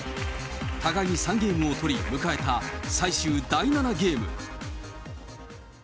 互いに３ゲームを取り迎えた最終第７ゲーム。